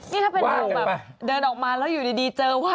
นี่ถ้าเป็นเราแบบเดินออกมาแล้วอยู่ดีเจอว่า